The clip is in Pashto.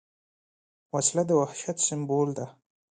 وسله د وحشت سمبول ده